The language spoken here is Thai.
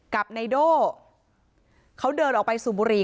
กับในโด่เขาเดินออกไปสูบบุรี